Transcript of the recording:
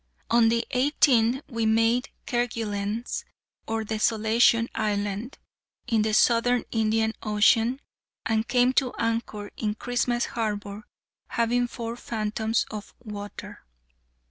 On the eighteenth we made Kerguelen's or Desolation Island, in the Southern Indian Ocean, and came to anchor in Christmas Harbour, having four fathoms of water.